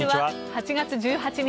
８月１８日、